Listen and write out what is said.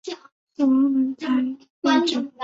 死亡轮才废止。